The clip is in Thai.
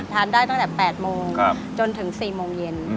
ทานได้ตั้งแต่๘โมงจนถึง๔โมงเย็น